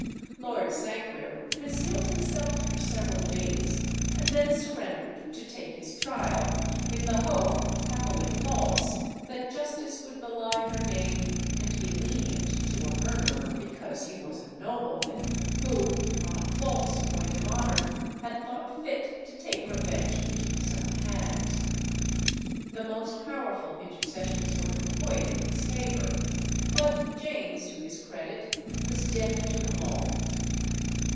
Lord Sanquir concealed himself for several days, and then surrendered to take his trial, in the hope (happily false) that Justice would belie her name, and be lenient to a murderer because he was a nobleman, who on a false point of honour had thought fit to take revenge into his own hands. The most powerful intercessions were employed in his favour, but James, to his credit, was deaf to them all.